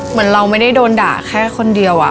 เหมือนเราไม่ได้โดนด่าแค่คนเดียว